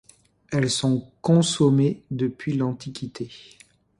Elles sont consommées depuis l'Antiquité.